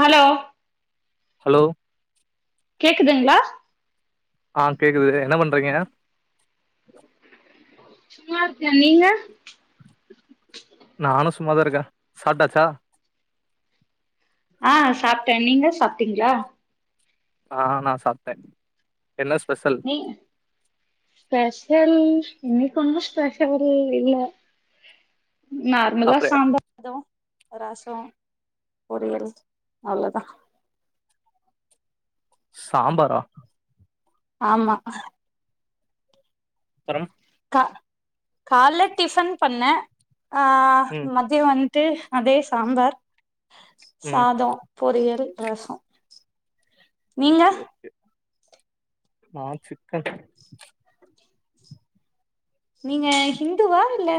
Hello hello கேக்குதுங்கிளா ஆ கேக்குது என்ன பண்றீங்க சும்மா இருக்க நீங்க நானும் சுமாத இருக்க சப்டாச்சா ஆ சாப்பிட்டே நீங்க சாப்பிட்டீங்களா ஆ நா சாப்டே நீ ஸ்பஷல் இன்னைக்கு ஒன்னு ஸ்பெஷலு இல்ல நார்மலா அப்ற சாம்பார் தா ரசம் பொரியியல் அவளோதா சாம்பார ஆமா அப்பறம் அ கால டிஃபன் பண்ண அ ம் மதிய வந் ட்டு அதே சாம்பார் ம் சாதோ பொரியல் ரசோ நீங்க ஓகே ஓகே நா சிக்கன் நீங்க ஹிந்துவா இல்ல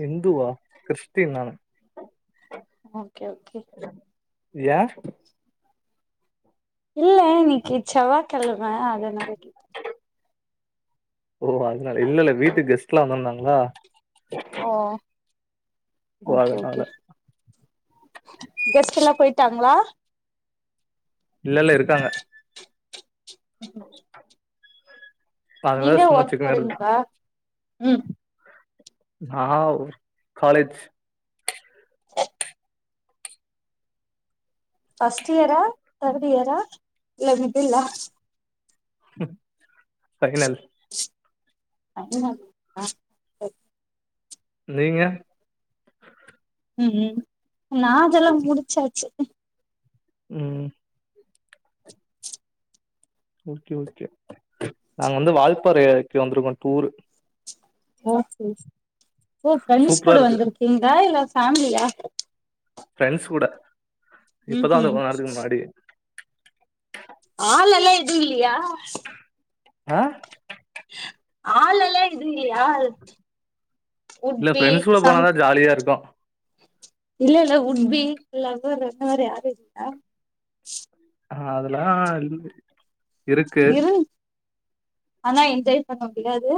ஹிந்துவா கிறிஸ்டியன் நானு ஓகே ஓகே யா இல்ல இன்னிக்கி செவ்வக்கிழ மா அதனால கேட்ட ஓ அதனால இல்ல இல்ல வீட்டுக்கு கெஸ்ட் எலாம் வந்திருந்தாங்களா ஓ சோ ஓகே அதனால ஓகே கெஸ்ட் எல்லா போயிட்டாங்களா இல்லல்ல இருக்காங்க ம் ம் அதனால நீங்க சும்மா ஒர்க் சிக்கன் எடுத்து போறீங்கா ம் நா காலேஜ் ஃபஸ்ட் இயர தேர்ட் இயர இல்ல மிடிலா [unintelligible] பகிலால்ல [unintelligible] ஆ நீங்க ம் ம் நா ஜல்ல முடுச்சாச்சு ம் ஓகே ஓகே நாங்க வந்து வால்பாற ஏரியக்கு வந்துருக்கோ டூரு ஓ சேர் ஓ ஃப்ரெண்ட்ஸ் சூப்பரா கூட இருக்கு வந்துருக்கீங்ளா இல்ல ஃபேமிலியா ஃப்ரெண்ட்ஸ்கூட ம் இப்பதா வந்த ம் கொஞ்ச நேரத்துக்கு முன்னாடி ஆளல்லா எது இல்லயா ஆ ஆளல்லா எது இல்லயா இல்ல ஃப்ரெண்ட்ஸ் கூட போனாதா ஜாலியா இருக்கு இல்லெல்ல உட்பி இல்லனா லவ்வர் யாரு இருக்கா ஆ அதலா லீவு இருக்கு இரு ஆனா என்ஜாய் பண்ண முடியாது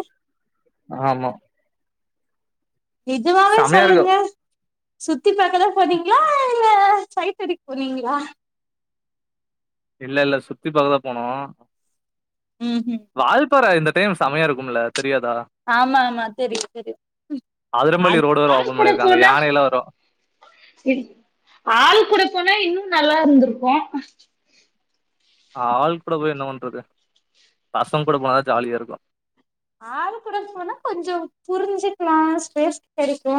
ஆமா நெஜமாவே செமையா சொல்லுங்க இருக்கும் சுத்திப்பாக்கதா போனிங்ளா இல்ல சைட்டடிக் போனிங்ளா இல்லெல்ல சுத்தி பாக்கதா போனோ ம்ஹும் வால் பாற இந்த டைம் சமையா இருக்குமுல்ல. ஆமா ஆமா தெரியு தெரியு அதிரம்பள்ளி அது ரோடு வேற ஆள் ஓபன் கூட பண்ணிருக்காங்க போன யானையெல்லாம் வரும் ஆள் கூட போன இன்னு நல்லாருந்துருக்கு ஆள் கூட போய் என்ன பண்றது பசங்கூட போனாதா ஜாலியா இருக்கு ஆள்கூட போனா கொஞ்சொ புருஞ்சுக்லா ஸ்பேஸ் கெடைக்கு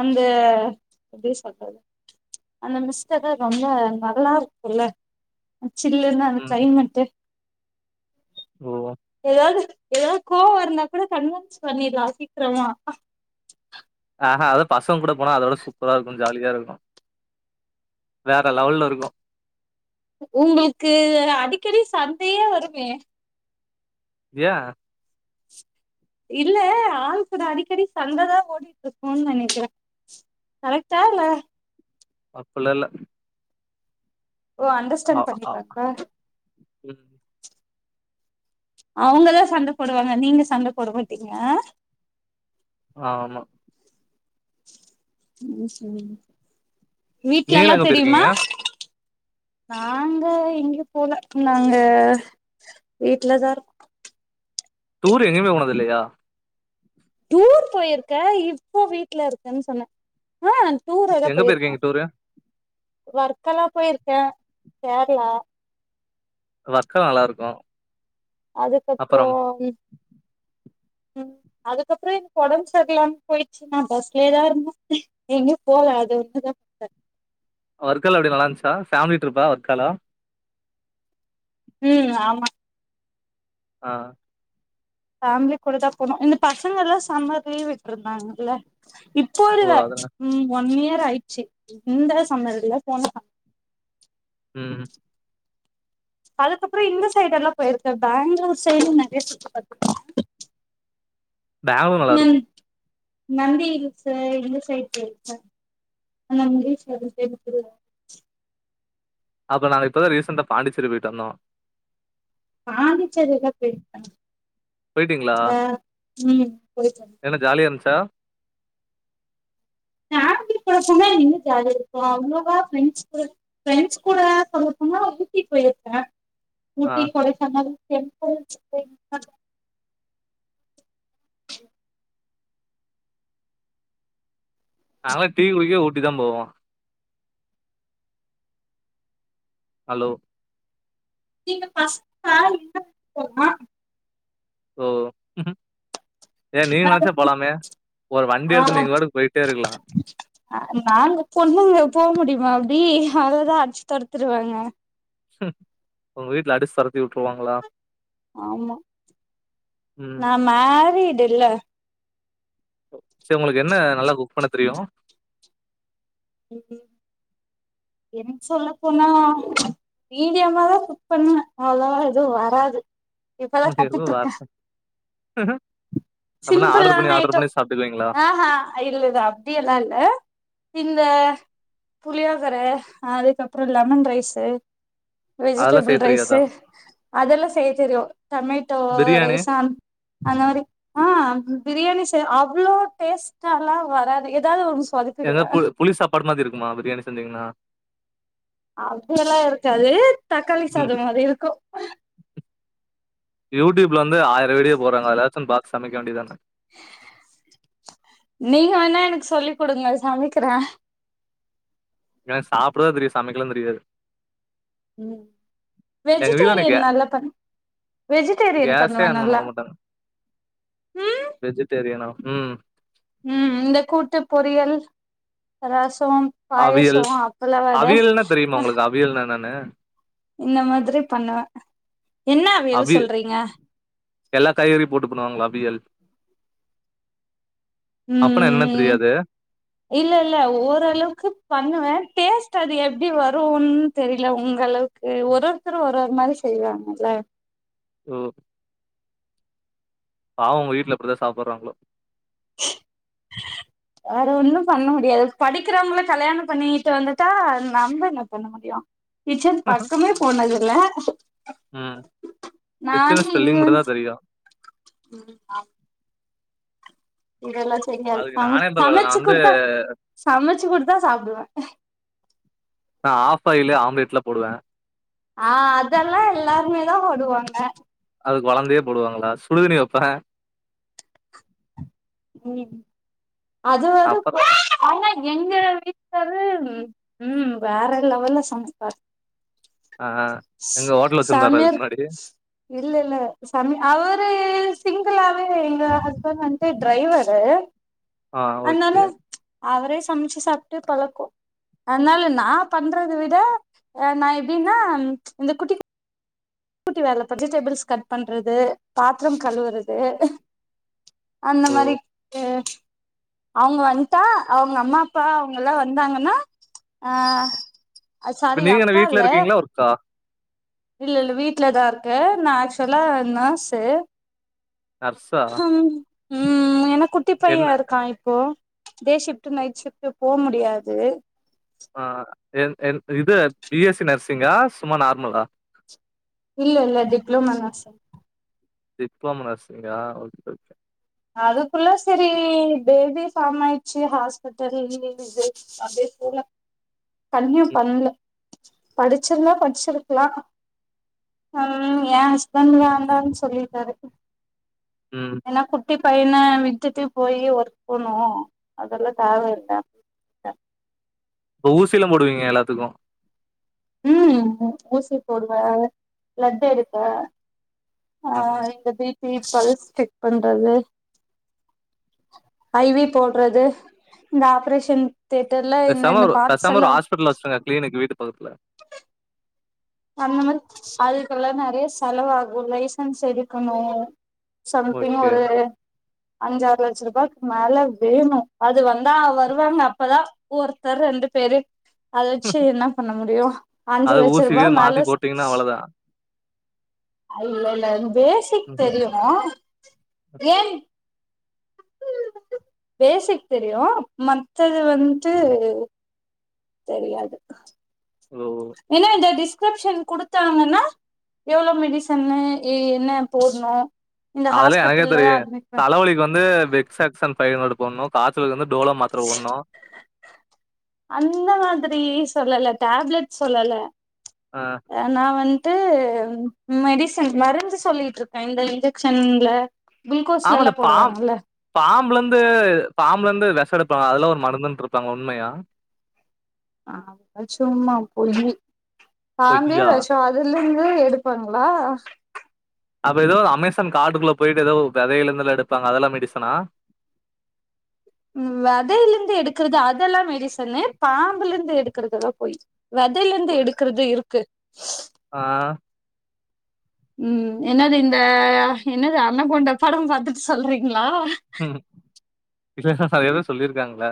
அந்த எப்டி சொல்றது அந்த மிஸ்ட் வேற ரொம்ப நல்லாருக்குல்ல. சில்லுனு அந்த ம் க்ளைமட்டு ஓ எதாது எதா கோவொ இருந்தா கூட கன்வின்ஸ் பண்ணிட்லா சீக்கிரமா ஆஹ அது பாஸ் தவங் கூட போனா அதோட சூப்பரா இருக்கும் ஜாலியா இருக்கும் வேற லெவல்ல இருக்கும். உங்களுக்கு அடிக்கடி சண்டையே வருமே. ஏன் இல்ல ஆள் கூட அடிக்கடி சண்டதா ஓடிட்டு இருக்கும்னு நெனக்கறன் கரெட்டா இல்ல. அப்பல்லா இல்ல. ஓ அ அண்டர்ஸ்டேண்ட் அ பண்ணிப்பாங்களா. ம் அவுங்கதான் சண்ட போடுவாங்க நீங்க சண்ட போட மாட்டீங்க ஆ. ஆ ஆமா. ம் செரி. வீட்ல நீங்களாம் எல்லாம் எங்க தெரியுமா. போயிருக்கீங்க நாங்க எங்கியு போல நாங்க வீட்லதான் இருக். டூரு எங்கேமே போனது இல்லையா. டூர் போயிருக்க இப்போ வீட்ல இருக்கன் சொன்னேன். ஆ டூர் எதா எங்க போயிருக்கீங்க போயிருக்கோம். டூரு வர்க் எல்லாம் போயிருக்கேன் கேரலா. வர்க்கும் நல்லா இருக்கும். அப்புறம் அதுக்கப்புறம் ம் அதுக்கப்புறம் எனக்கு ஒடம்புசரிலாம போயிடுச்சிங்க பஸ்லேதான் இருந்தேன் எங்கியும் போவல அது ஒண்ணுதான் பாேன ஒர்க் எல்லா எப்படி நல்லா இருந்துச்சா ஃபேமிலி ட்ரிப்பா ஒர்க்கால. ம் ஆமா. ஆ ஃபேமிலி கூட தான் போனோம் இந்த பசங்க எல்லாம் சம்மர் லீவ் விட்டு இருந்தாங்க இல்ல இப் இப்போ ஓ இல்ல அதனா ம் ஒன் இயர் நேர ஆயிச்சி இந்த சம்மர்ல போனதா. ம். அதுக்கப்புறம் இந்த சைடு எல்லாம் போயிருக்க பேங்களூர் சைடும் நறையா சுத்தி பாத்துருக்கன் பேங்களூரும் நல்லா இருக்கும். நந்தி ஹில்சு இந்த சைட் போய்ருக்கேன் [inaudible] அப்ப நாங்க இப்பதான் ரீசண்டா பாண்டிச்சேரி போயிட்டு வந்தோம். பாண்டிச்சேரிலா போய்ருக்கன் போயிட்டீங்களா போயிருக்கே என்ன ஜாலியா இருந்துச். ட ஃபேமிலி கூட சும்மா இன்னா ஜாலிய இருக்கும் அவ்ளோவா ப்ரெண்ட்ஸ் கூட ஃப்ரெண்ட்ஸ் கூட சொல்ல போனா ஊட்டி போயிருக்கேன். ஆ ஊட்டி கொடைக்கானல் டெம் புள் [inaudible] நாங்களாம் டீ குடிக்கவே ஊட்டி தான் போவோம் ஹலோ நீங்க ஃபர்ஸ்ட் [unintelligible] ஓ ஏ நீங்க நெனச்சா போலாமே ஒரு வண்டி ஆ எடுத்து நீங்க பாட்டுக்கு போயிட்டே இருக்கலா நாங்க பொண்ணுங்க போக முடி அ பி அவ்ளே தான் அடிச்சு தொரத்திருவாங்க ம் உங்க வீட்ல அடிச்சு தொர ஆமா ம் நான் மேரிட் இல்ல சேரி உங்களுக்கு என்ன நல்லா குக் பண்ண தெரியும் க்கு என் சொல்ல போனா மீடியமா தான் குக் பண்ணுவேன் அவ்வளவா எதுவும் வராது இப்பதான் உங்களுக்கு எதுவு கத்துட்டு வர இருக்கேன் அப்பனா ஆர்டர் சிம்பிளான பண்ணி ஆர்டர் ஐட்டம் பண்ணி சாப்ட்டுக்குவீங்களா ஆ ஹா இல்ல இ அப்டி எல்லா இல்ல இந்த புளியோதரை அதுக்கப்றோ லெமன் ரைஸ்சு அதெல்லா வெஜிடபிள் செய்ய ரைஸ் தெரியாதா அதெல்லாம் செய்ய தெரியும் டொமேட்டோ பிரியாணி ரைஸ் அந்த மாரி ஆ பிரியாணி அவ்ளோ டேஸ்ட்ல்லா வராது ஏதாது ஒரு எ பு புளி சாப்பாடு மாரி இருக்குமா பிரியாணி செஞ்சிங்கன்னா அப்டிலாம் இருக்காது தக்காளி சாதம் மாரி இருக்கும் யூடீயூப் வந்து ஆயிர வீடியோ போடுறங்க எதாச்சும் பாத்து சமைக்க வேண்டியதுதானா நீங்க வேணா எனக்கு சொல்லி் குடுங்க சமைக்குறேன் எனக்கு சாப்பிடதான் தெரியும் சமைக்கலான் தெரியாது ம் எங்க வீட்ல என்ன வெஜிடேரியன் கே நல்லா பண் வெஜிடேரியன் கேஸே பண்ணுவேன் ஆன் பண்ண நல்லா விட மாட்டாங்க ம் வெஜிடேரியனா ம் ம் ம் இந்த கூட்டு பொரியல் ரெச அப்றோ அவியல் பாயசம் அப்பளம் வட னா இந்த மாதிரி பண்ணுவேன் அவியல் எல்லா காய்கறியும் போட்டு பண்ணுவாங்கல்ல அவியல் அப்பனா ம் என்னன்னு ம் தெரியாது இல்ல இல்ல ஓரளவுக்கு பண்ணுவேன் டேஸ்டு அது எப்டி வரும்ன்னு தெரியல உங்க அளவுக்கு ஒரு ஒருத்தரும் ஒரு மாரி செய்வாங்கல்ல ம் பாவம் உங்க வீட்டுல எப்டிதா சாப்பிடுறாங்களோ வேற ஒன்னு பண்ண முடியாது படிக்கிறங்கல கல்யாணம் பண்ணிக்கிட்டு வந்துட்டா நம்ம என்ன பண்ண முடியு கிச்சன் பக்கமே போனது இல்ல ம் கிச்சன் நானே இங்க ஸ்பெல்லிங் மட்டுந்தா வந்து தெரியு [unintelligible] இதெல்லா தெரியாது அதுக்கு சம நானே பரவால்ல நா சமச்சு வந்து குடுத்தா சமச்சு குடுத்தா சாப்பிடுவே நா ஆஃப்பாய்ல் ஆம்லேட்லா போடுவே ஆ அதெல்லா எல்லாருமே தா ஓடுவாங்க அதுக்கு கொழந்தையே போடுவாங்களா சுடுதினி வைப்பே ம் அது வந்து அப்பறோ சேன்னே எங்க வீட்டுகார்ரு ம் வேற லெவல்ல சமைப்பாரு ஆ எங்க ஹோட்டல் வச்சிருந்தாரா இதுக்கு சமிர்க் முன்னாடி இல்ல இல்ல சமிர் அவுரு சிங்கிளாவே எங்க ஹஸ்பண்ட் வந்து டிரைவரு ஆ ஓகே அதனால அவரே சமைச்சு சாப்ட்டு பழக்கோ அதனால நா பண்றத விட அ நா எப்படின்னா இந்த குட்டி குட்டி வேலை வெஜிடபிள்ஸ் கட் பண்றது பாத்ரம் கழுவுறது அந்த மாரி ஓ அ அவங்க வன்ட்டா அவங்க அம்மா அப்பா அவுங்க எல்லா வந்தாங்கன்னா ஆ அ இப்ப சரி நீங்க என்ன அப்பா வீட்ல இல்ல இருக்கீங்களா ஒர்க்கா இல்ல இல்ல வீட்டுலதா இருக்கே நா ஆக்சுவலா நர்ஸ்சு நர்சா ம் எனக் குட்டி பையன் இருக்கா இப்போ டோ ஷிப்ட்டு நைட் ஷிப்ட்டு போ முடியாது ஆ என் என் இது பிஎஸ்சி நர்சிங்கா சும்மா நார்மலா இல்ல இல்ல டிப்ளோமா நர்ஸ் சார் டிப்ளோமே நர்சிங்கா ஓகே ஓகே அதுக்குள்ள சேரி பேபி ஃபாம் ஆயிடுச்சு ஹாஸ்பிட்டலது அப்படியே போல கன்னியூ பண்ல படிச்சிருந்தா படிச்சிருக்லா ம் என் ஹஸ்பண்ட் வேண்டான்னு சொல்லிட்டாரு ம் என்ன குட்டி பையன விட்டுட்ட போய் ஒர்க் போனோ அதெல்லா தேவ இல்ல [unintelligible] இப்ப ஊசியிலா போடுவீங்க எல்லாத்துக்கு ம் ஊசி போடுவே பிளட் எடுப்பே ஆ இந்த டி ம் பல்ஸ் செக் பண்றது ஐ வி போட்றது இந்த ஆப்ரேஷன் தியேட்டர்ல இந்த பேசாம இந்த ஒரு பார்ட்ஸ் பேசாம எல்லா ஒரு ஹாஸ்பிட்டல் வச்சிருங்க க்ளினிக் வீட்டு பக்கத்துல அந்த மாரி அதுக்கல்லா நெறைய செலவாகு லைசன்ஸ் எடுக்கணு சம்திங் ஓகே ஒரு அஞ்சாறு லட்ச ரூபாய்க்கு மேல வேணு அது வந்தா வருவாங்க அப்பதா ஒருத்தர் ரெண்டு பேரு அத வச்சு என்ன பண்ண முடியு அஞ்சு லட்ச ரூபா [unintelligible] மாத்தி போட்டீங்கனா அவ்ளதா இல்லெல்லனு பேசிக் தெரியுங்க ஏன் பேசிக் தெரியு மத்தது வந்து தெரியாது ஓ ஏனா இந்த டிஸ்கிரிப்ஷன் குடுத்தாங்கன்னா எவ்ளோ மெடிசன்னு என்ன போட்ணு அதுலா எனக்கே தெரியு தலவலிக்கு வந்து விக்ஸ் அக்ஸன் ஃபை ஹன்ரடு போட்னு அந்த மாதிரி சொல்லல டேப்லெட் சொல்லல ஆ அ நா வந் து மெடிசின் மருந்து சொல்லிட்ருக்க இந்த இன்ஜெக்ஷன்ல ஆமா குளுக்கோஸ்லல்லா இந்த பா போடுவாங்கல்ல பாம்புலந்து பாம்லெந்து வெ ச எடுப்பாங்க அதுலா ஒரு மருந்துன்ரு ப்பாங்க உண்மயா அதுலா சும்மா பொய்யி பாம்பே பொய்யா வெஷொ அதுலெ ந்து எடுப்பாங்களா அப்ப எதோ அமேசான் காட்டுக்குள்ள போயிட்டு எதோ வெதைலந்துல்லா எடுப்பாங்க அதெல்லா மெடிசனா உ வதையில இருந்து எடுக்கறிறது அதெல்லா எ ரீசன்னு பாம்புல இருந்து எடுக்கறது பொய் விதையில இருந்து எடுக்கறது இருக்கு ஆ ம் என்னதிந்த என்னது அனகொண்டா படம் பாத்துட்டு சொல்றீங்ளா? ம் இசசா சரியாதா சொல்லிருக்காங்கல்ல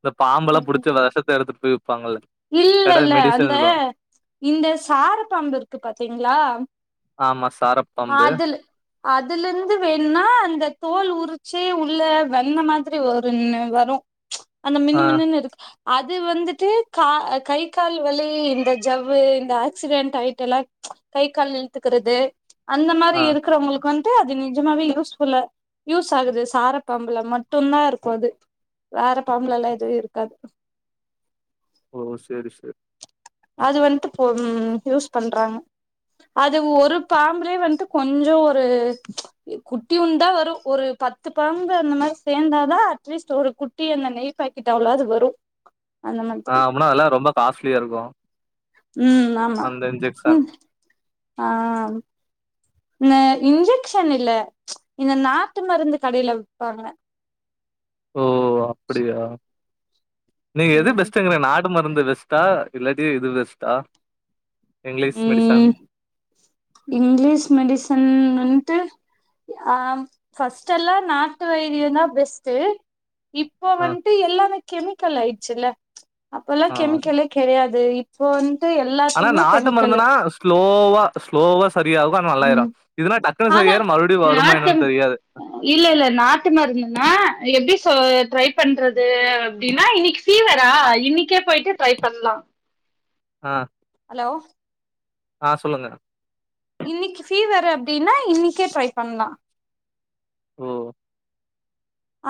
இந்த பாம்பெல்லா புடுச்சு வெசத்த எடுத்துட்டு போய் விப்பாங்கல்ல கட இல்லெல்ல மெடிசன் அந்த இதுல இந்த சார பாம்பு இருக்கு பாத்தீங்ளா ஆமா சாரப்பாம்பு அதுல அதுலெந்து வேணுன்னா அந்த தோல் உரிச்சு உள்ள வெண்ண மாதிரி ஒருன்னு வரு அந்த மினு ஆ மினுன் இரு அது வந்துட்டு க கை கால் வலி இந்த ஜவ்வு இந்த ஆக்சிடென்ட் ஆகிட்ட எல்லா கை கால் இழத்துக்குறது அந்த மாரி ஆ இருக்கறவங்களுக்கு வந் டு அது நிஜமாவே யூஸ்ஃபுல்லா யூஸ் ஆகுது சார பாம்புல மட்டு தா இருக்கு அது வேற பாம்புல எல்லா எதுவு இருக்காது ஓ சேரி சேரி அது வந்துட்டு ம் யூஸ் பண்றாங்க அது ஒரு பாம்புலே வந்துட்டு கொஞ்ச ஒரு குட்டியுண்டு வரு ஒரு பத்து பாம்பு அந்த மாரி சேர்ந்தாதா அட்லீஸ்ட் ஒரு குட்டி அந்த நெய் பாக்கெட் அவ்வளவு அது வரு அந்த ஆ மாதிரி அப்பனா அதெல்லா ரொம்ப காஸ்ட்லியா இருக்கு ம் ஆமா அந்த ம் இன்ஜெக்ஷன் ஆ இந்த இன்ஜெக்ஷன் இல்ல இந்த நாட்டு மருந்து கடையில வைப்பாங்க ஓ அப்படியா நீ எது ம் பெஸ்டுங்கற நாட் நாட்டு மருந்து பெஸ்ட்டா இல்லட்டி இது பெஸ்ட்டா இங்கிலீஷ் மெடிசன் ம் இங்கிலிஷ் மெடிசன் வந் தி ஆம் ஃபஸ்ட் எல்லா நா [unintelligible] த்து இப்போ ஆ வன்டு எல்லாரு கெமிக்கல் ஆயிச்சுல அப்பெல்லா ஆ கெமிக்கலே கிடையாது அது இப்போந் இது ஆனா எல்லாத்துமே நாட்டு மருந்துனா ஸ்லோவா ஸ்லோ சேரியா ஆவும் ஆனா ம் நல்லாயிரு இதுனா டக் ஆனா நாட்டு இல்ல இல்ல நாட்டு மருந்துனா எப்டி சோ ட்ரை பண்றது அப்டின்னா இன்னைக்கு ஃபீவரா இன்னைக்கே போயிட்டு ட்ரை பண்ணலாம் ஆ ஹலோ ஆ சொல்லுங்க இன்னைக்கு ஃபீவரு அப்டின்னா இன்னிக்கே ட்ரை பண்லா ஓ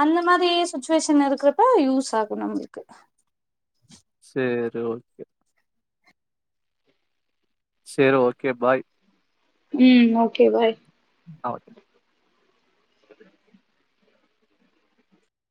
அந்த மாரி சுச்சுவேஷன் இருக்கிறப்ப யூஸ் ஆகு நம்மளுக்கு சரி ஓகே சரி ஓகே பாய் ம் ஓகே பாய் ஆ ஓகே